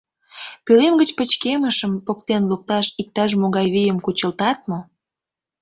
Пӧлем гыч пычкемышым поктен лукташ иктаж-могай вийым кучылтат мо?